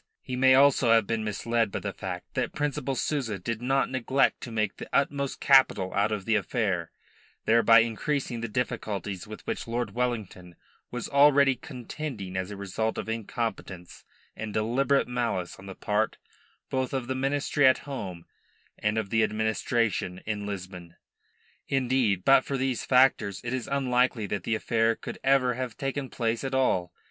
He may also have been misled by the fact that Principal Souza did not neglect to make the utmost capital out of the affair, thereby increasing the difficulties with which Lord Wellington was already contending as a result of incompetence and deliberate malice on the part both of the ministry at home and of the administration in Lisbon. Indeed, but for these factors it is unlikely that the affair could ever have taken place at all.